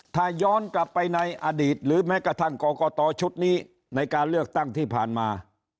ถ้าย้อนกลับไปในอดีตหรือแม้กระทั่งกรกตชุดนี้ในการเลือกตั้งที่ผ่านมา